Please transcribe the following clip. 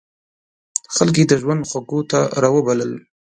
خلک یې د ژوند خوږو ته را وبلل.